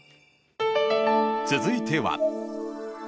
［続いては］